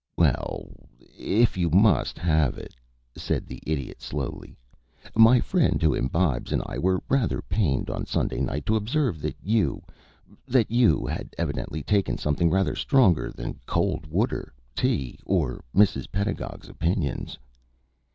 "Well, if you must have it," said the Idiot, slowly, "my friend who imbibes and I were rather pained on Sunday night to observe that you that you had evidently taken something rather stronger than cold water, tea, or Mr. Pedagog's opinions."